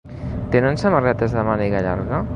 Tenen samarretes de màniga llarga?